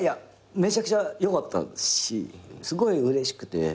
めちゃくちゃ良かったしすごいうれしくて。